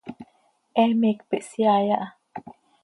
He miicp ihsyai aha.